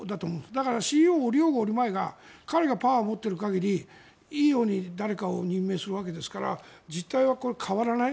だから、ＣＥＯを降りようが降りまいが彼がパワーを持っている限りいいように誰かを任命するわけですから実態はこれ、変わらない。